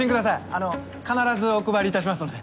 あの必ずお配りいたしますので。